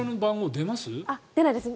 出ないです。